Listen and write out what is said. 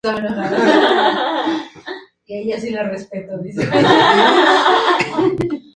Actualmente corre por el criadero Palmas de Peñaflor de la Asociación Santiago Sur.